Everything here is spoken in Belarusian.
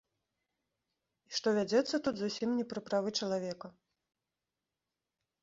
І што вядзецца тут зусім не пра правы чалавека.